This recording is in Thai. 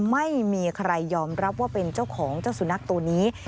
ไม่มีใครยอมรับว่าเป็นเจ้าของเจ้าสุนัขตัวนี้